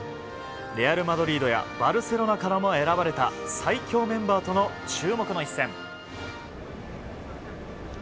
レアル・マドリードやバルセロナからも選ばれた最強メンバーとの注目の１戦。